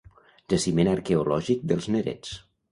Jaciment arqueològic dels Nerets.